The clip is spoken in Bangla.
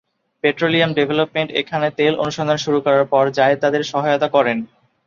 পেট্রোলিয়াম ডেভেলপমেন্ট এখানে তেল অনুসন্ধান শুরু করার পর জায়েদ তাদের সহায়তা করেন।